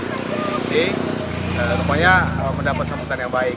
semuanya mendapat kesempatan yang baik